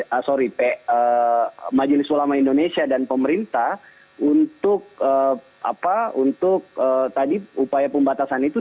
pmi sorry majelis ulama indonesia dan pemerintah untuk apa untuk tadi upaya pembatasan itu